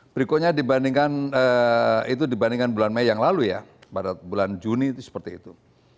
berikutnya dibandingkan bulan mei yang lalu pada bulan juni itu seperti itu